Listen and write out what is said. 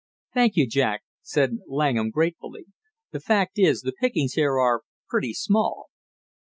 "Thank you, Jack!" said Langham gratefully. "The fact is the pickings here are pretty small."